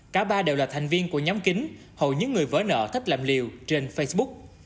cả ba đều là thành viên của nhóm kính hầu như người vỡ nợ thách làm liều trên facebook